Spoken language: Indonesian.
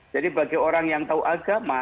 jadi bagi orang yang tahu agama